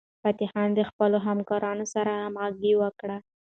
فتح خان د خپلو همکارانو سره همغږي وکړه.